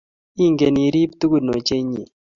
Ingen irib tugun ochei inye